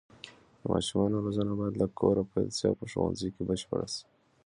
د ماشومانو روزنه باید له کوره پیل شي او په ښوونځي کې بشپړه شي.